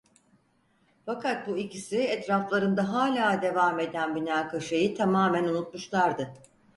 Fakat bu ikisi etraflarında hâlâ devam eden münakaşayı tamamen unutmuşlardı.